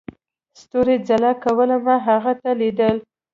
ستورو ځلا کوله، ما هغې ته ليدل.